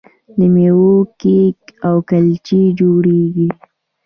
د میوو کیک او کلچې جوړیږي.